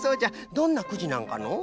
どんなくじなんかのう？